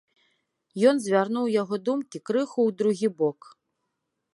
Ён звярнуў яго думкі крыху ў другі бок.